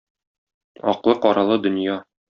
Аклы-каралы дөнья